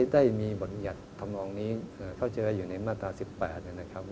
ได้มีบริเวณธรรมรองนี้เขาเจออยู่ในมาตรา๑๘